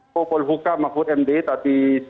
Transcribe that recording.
kepala pembangunan mahfud md tadi